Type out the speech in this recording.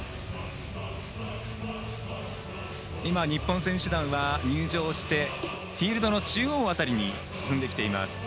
日本の選手団が入場してフィールドの中央辺りに進んできています。